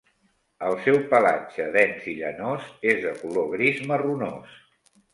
El seu pelatge dens i llanós és de color gris marronós.